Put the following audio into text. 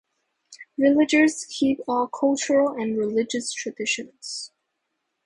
Villagers keep all cultural and religious traditions.